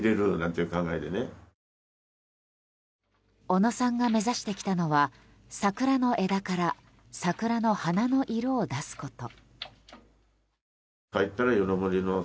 小野さんが目指してきたのは桜の枝から桜の花の色を出すこと。